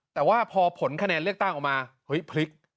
แต่ว่าพอผลคะแนนเลือกตั้งออกมาเฮ้ยพลิก